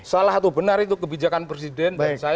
salah itu benar itu kebijakan presiden dan saya taat